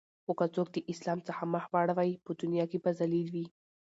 خو که څوک د اسلام څخه مخ واړوی په دنیا کی به ذلیل وی